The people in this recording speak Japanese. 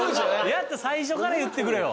やったら最初から言ってくれよ